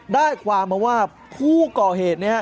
ได้ความมาว่าผู้ก่อเหตุ